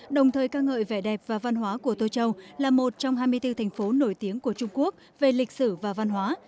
đồng thời ca ngợi vẻ đẹp và văn hóa của tô châu là một trong hai mươi bốn thành phố nổi tiếng của trung quốc về lịch sử và văn hóa